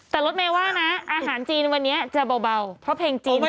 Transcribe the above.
แต่ลดแมว่นะอาหารจีนวันนี้อ่ะจะเบาเพราะเพ่งจีนจะแบบ